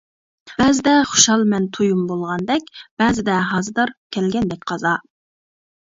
بەزىدە خۇشال مەن تويۇم بولغاندەك، بەزىدە ھازىدار كەلگەندەك قازا.